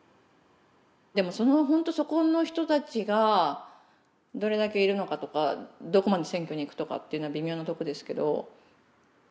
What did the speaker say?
でも本当そこの人たちがどれだけいるのかとかどこまで選挙に行くとかっていうのは微妙なとこですけど。